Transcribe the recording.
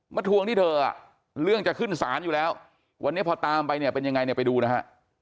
ทวงที่เธอเรื่องจะขึ้นศาลอยู่แล้ววันนี้พอตามไปเนี่ยเป็นยังไงเนี่ยไปดูนะฮะ